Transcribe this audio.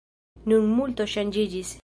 Nun multo ŝanĝiĝis.